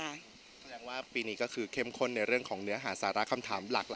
แสดงว่าปีนี้ก็คือเข้มข้นในเรื่องของเนื้อหาสาระคำถามหลัก